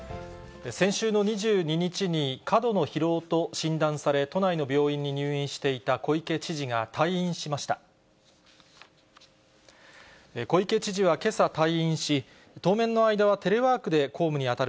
先週の２２日に過度の疲労と診断され、都内の病院に入院していた小池知事が退院しました。